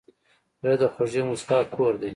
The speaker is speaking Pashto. زړه د خوږې موسکا کور دی.